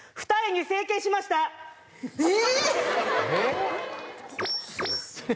え！